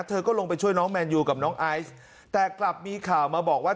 เธอก็ลงไปช่วยน้องแมนยูกับน้องไอซ์แต่กลับมีข่าวมาบอกว่า